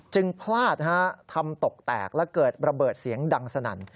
พลาดทำตกแตกและเกิดระเบิดเสียงดังสนั่น